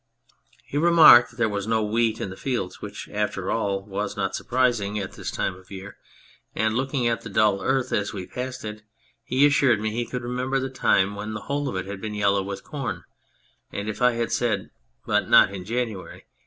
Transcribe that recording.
He remarked that there was no wheat in the fields, which, after all, was not surprising at this time 116 The Abstracted Man of year, and looking at the dull earth as we passed it he assured me he could remember the time when the whole of it had been yellow with corn, and if I had said: "But not in January?"